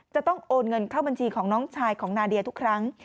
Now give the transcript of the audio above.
จะต้องโอนเงินเข้าบัญชีของน้องชายของนาเดียทุกครั้ง